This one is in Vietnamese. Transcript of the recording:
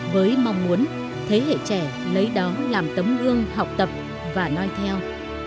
với mong muốn thế hệ trẻ lấy đó làm tấm gương học tập và nói theo